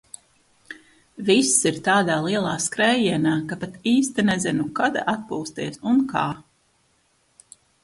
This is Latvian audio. Viss ir tādā lielā skrējienā, ka pat īsti nezinu, kad atpūsties un kā.